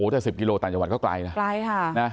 ถ้าสิบกิโลเมตรต่างจังหวัดก็ไกลนะ